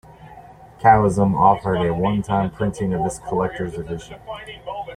Chaosium offered a one-time printing of this Collector's Edition.